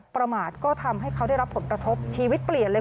ประมาทก็ทำให้เขาได้รับผลกระทบชีวิตเปลี่ยนเลย